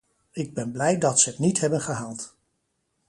Ik ben blij dat ze het niet hebben gehaald.